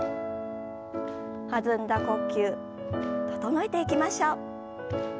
弾んだ呼吸整えていきましょう。